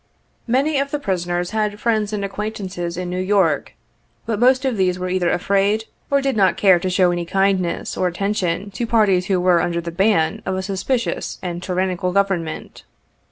Many of the prisoners had friends and acquaintances in New York, but most of these were either afraid, or did not care to show any kindness or attention to parties who were under the ban of a suspicious and tyrannical Government.